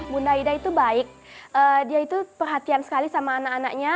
bunda ida itu baik dia itu perhatian sekali sama anak anaknya